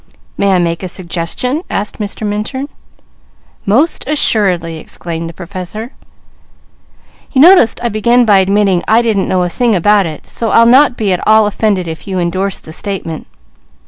"May I make a suggestion?" asked Mr. Minturn. "Most assuredly," exclaimed the Professor. "You noticed I began by admitting I didn't know a thing about it, so I'll not be at all offended if you indorse the statement.